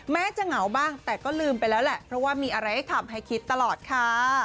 แม้จะเหงาบ้างแต่ก็ลืมไปแล้วแหละเพราะว่ามีอะไรให้ทำให้คิดตลอดค่ะ